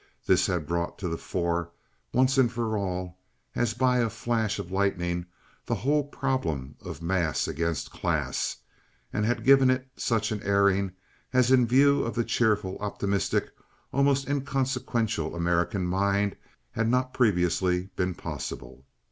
This had brought to the fore, once and for all, as by a flash of lightning, the whole problem of mass against class, and had given it such an airing as in view of the cheerful, optimistic, almost inconsequential American mind had not previously been possible.